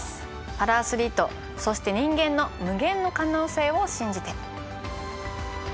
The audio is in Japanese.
パラアスリートそして人間の無限の可能性を信じて。